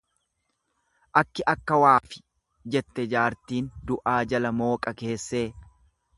Akki akka waafi, jette jaartiin du'aa jala mooqa keessee.